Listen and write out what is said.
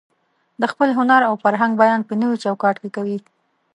د خپل هنر او فرهنګ بیان په نوي چوکاټ کې کوي.